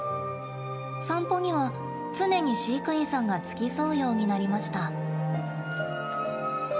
散歩には、常に飼育員さんが付き添うようになりました。